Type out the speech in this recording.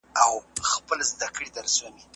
ما ته وایه چې ستا د ژوند تر ټولو خوږ یاد څه دی؟